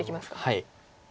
はい。